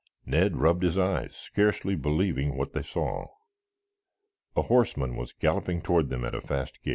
Ned rubbed his eyes, scarcely believing what they saw. A horseman was galloping toward them at a fast gait.